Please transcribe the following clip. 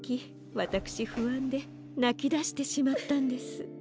わたくしふあんでなきだしてしまったんです。